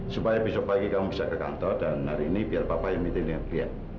supaya besok pagi kamu bisa ke kantor dan hari ini biar papa yang minta lihat